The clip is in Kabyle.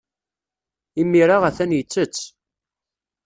Imir-a, atan yettett.